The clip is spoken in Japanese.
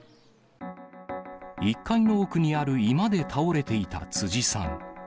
１階の奥にある居間で倒れていた辻さん。